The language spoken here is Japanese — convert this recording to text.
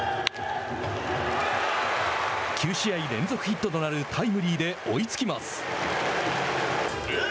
９試合連続ヒットとなるタイムリーで追いつきます。